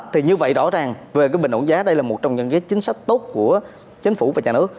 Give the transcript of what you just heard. thì như vậy rõ ràng về cái bình ổn giá đây là một trong những cái chính sách tốt của chính phủ và nhà nước